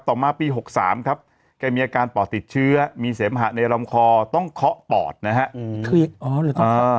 ต่อมาปี๖๓มีอาการปอดติดเชื้อมีเสมหะในล้อมคอต้องเคาะปอดนะครับ